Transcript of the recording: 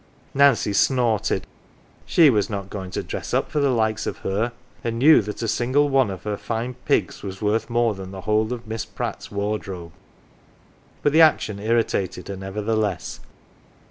Nancy snorted : she was not going to dress up for the likes of her, and knew that a single one of her fine pigs was worth more than the whole of Miss Pratt's wardrobe; but the action irritated her nevertheless.